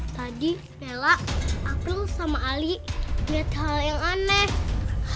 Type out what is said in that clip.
tadi bella april sama ali lihat hal yang aneh